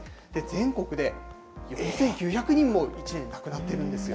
全国で４９００人も１年に亡くなっているんですよ。